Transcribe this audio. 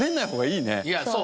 いやそう。